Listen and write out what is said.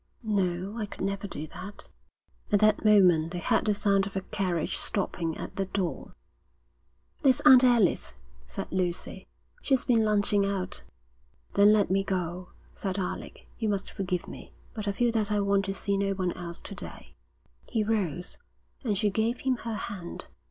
'No, I could never do that.' At that moment they heard the sound of a carriage stopping at the door. 'There's Aunt Alice,' said Lucy. 'She's been lunching out.' 'Then let me go,' said Alec. 'You must forgive me, but I feel that I want to see no one else to day.' He rose, and she gave him her hand.